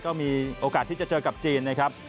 ก็มีโอกาสที่จะเจอกับจีนนะครับ